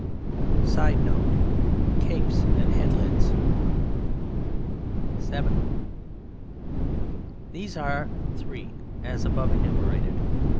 [Sidenote: Capes and Headlands.] VII. These are three, as above enumerated (q.